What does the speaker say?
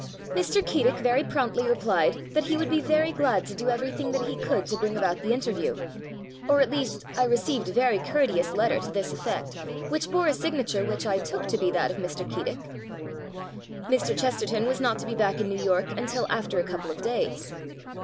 Mr. Keedick very promptly replied that he would be very glad to do everything that he could to bring about the interview. Or at least I re ceived a very courteous letter to this 21 22 THfi BOOKMAN effect which bore a signature which I took to be that of Mr. Keedick. Mr. Chesterton was not to be back in New York until after a couple of days.